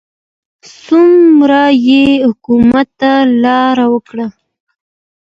څومره یې حکومت ته لار وکړه.